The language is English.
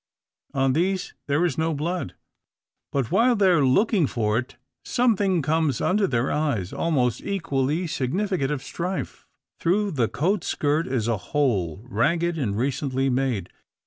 On these there is no blood; but while they are looking for it, something comes under their eyes, almost equally significant of strife. Through the coat skirt is a hole, ragged, and recently made.